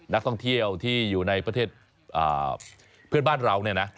นักท่องเที่ยวที่อยู่ในประเทศเพื่อนบ้านเราเนี่ยนะ